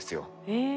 へえ。